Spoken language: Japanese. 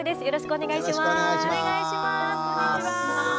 よろしくお願いします。